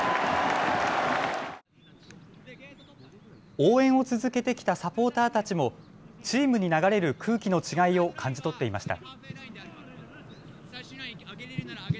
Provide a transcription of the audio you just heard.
応援を続けてきたサポーターたちもチームに流れる空気の違いを感じ取っていました。